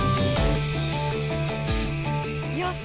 よし！